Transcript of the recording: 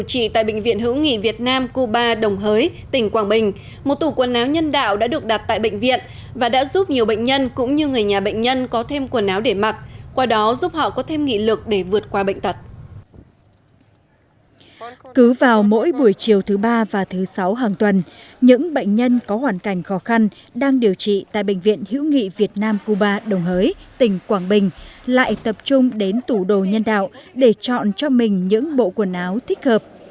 cứ vào mỗi buổi chiều thứ ba và thứ sáu hàng tuần những bệnh nhân có hoàn cảnh khó khăn đang điều trị tại bệnh viện hữu nghị việt nam cuba đồng hới tỉnh quảng bình lại tập trung đến tủ đồ nhân đạo để chọn cho mình những bộ quần áo thích hợp